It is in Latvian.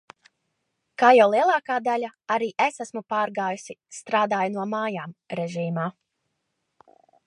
Kā jau lielākā daļa, arī es esmu pārgājusi "strādāju no mājām" režīmā.